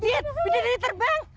lihat bidadari terbang